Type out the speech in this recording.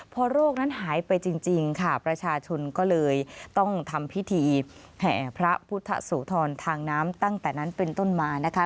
พอโรคนั้นหายไปจริงค่ะประชาชนก็เลยต้องทำพิธีแห่พระพุทธโสธรทางน้ำตั้งแต่นั้นเป็นต้นมานะคะ